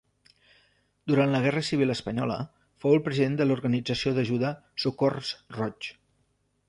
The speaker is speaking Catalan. Durant la Guerra Civil Espanyola, fou el president de l'organització d'ajuda Socors Roig.